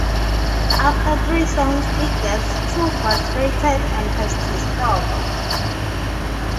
After three songs he gets too frustrated and has to stop.